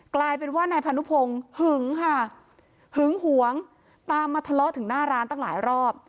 ใกล้เป็นว่าในภารกิจหึงห่างหึงหวงตามจะเท่านานตั้งหลายรอบ